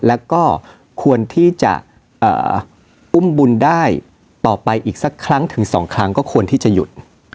แล้วก็ควรที่จะอุ้มบุญได้ต่อไปอีกสักครั้งถึง๒ครั้งก็ควรที่จะหยุด